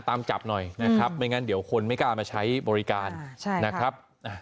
ตามจับหน่อยนะครับไม่งั้นเดี๋ยวคนไม่กล้ามาใช้บริการนะครับ